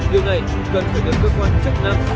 điều này cần phải được cơ quan chức năng